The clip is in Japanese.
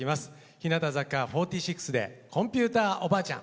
日向坂４６で「コンピューターおばあちゃん」。